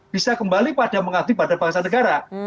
bisa kembali pada mengabdi pada bangsa negara